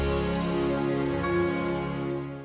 kiamat sudah dekat